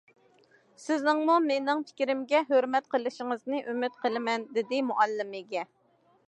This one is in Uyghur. سىزنىڭمۇ مېنىڭ پىكرىمگە ھۆرمەت قىلىشىڭىزنى ئۈمىد قىلىمەن،- دېدى مۇئەللىمگە.